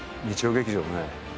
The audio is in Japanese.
日曜劇場もね